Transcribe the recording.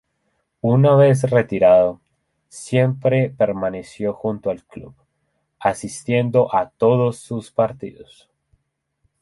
Una vez retirado, siempre permaneció junto al Club, asistiendo a todos sus partidos.